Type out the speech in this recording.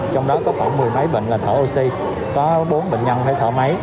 trong đó có khoảng mười mấy bệnh là thở oxy có bốn bệnh nhân phải thở máy